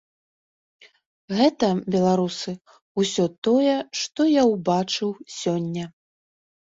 Гэта, беларусы, усё тое, што я ўбачыў сёння.